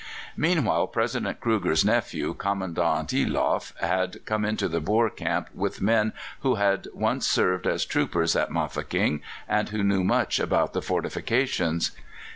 Meanwhile, President Kruger's nephew, Commandant Eloff, had come into the Boer camp with men who had once served as troopers at Mafeking, and who knew much about the fortifications.